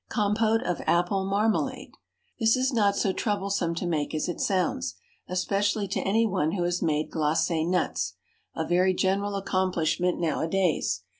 Compote of Apple Marmalade. This is not so troublesome to make as it sounds, especially to any one who has made glacé nuts a very general accomplishment nowadays.